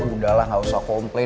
udah lah gak usah komplain